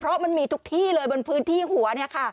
เพราะมันมีทุกที่เลยบนพื้นที่หัวเนี่ยค่ะ